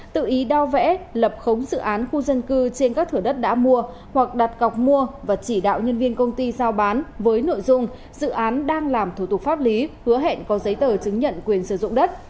tự ý đo vẽ lập khống dự án khu dân cư trên các thửa đất đã mua hoặc đặt cọc mua và chỉ đạo nhân viên công ty giao bán với nội dung dự án đang làm thủ tục pháp lý hứa hẹn có giấy tờ chứng nhận quyền sử dụng đất